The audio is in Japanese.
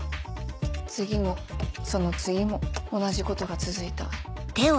次もその次も同じことが続いた。